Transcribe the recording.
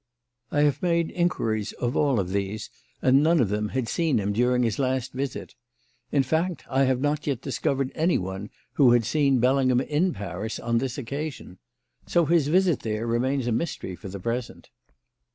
I have made inquiries of all of these, and none of them had seen him during his last visit. In fact, I have not yet discovered anyone who had seen Bellingham in Paris on this occasion. So his visit there remains a mystery for the present."